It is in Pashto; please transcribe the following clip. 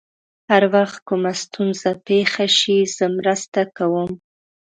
هر وخت کومه ستونزه پېښ شي، زه مرسته کوم.